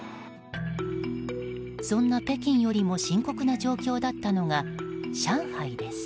そんな北京よりも深刻な状況だったのが上海です。